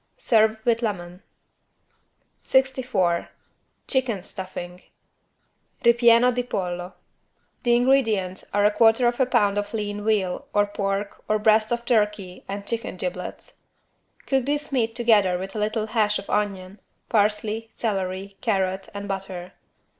Serve with lemon. 64 CHICKEN STUFFING (Ripieno di pollo) The ingredients are 1/4 lb. lean veal or pork or breast of turkey and chicken giblets. Cook this meat together with a little hash of onion, parsley, celery, carrot and butter.